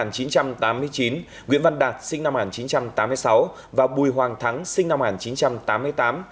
nguyễn văn đạt sinh năm một nghìn chín trăm tám mươi sáu và bùi hoàng thắng sinh năm một nghìn chín trăm tám mươi tám